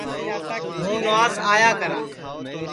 ہُوں نُواس آیا کرا